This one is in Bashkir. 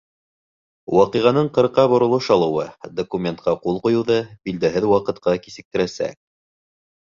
Ваҡиғаның ҡырҡа боролош алыуы документҡа ҡул ҡуйыуҙы билдәһеҙ ваҡытҡа кисектерәсәк.